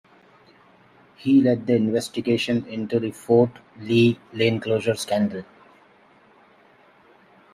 He led the investigation into the Fort Lee lane closure scandal.